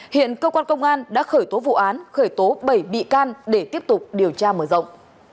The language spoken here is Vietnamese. hiện cơ quan công an đã khởi tố vụ án khởi tố bảy bị can để tiếp tục điều tra mở rộng